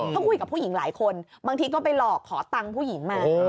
ก็คุยกับผู้หญิงหลายคนบางทีก็ไปหลอกขอตังค์ผู้หญิงมา